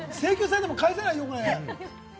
請求されても返せないよ？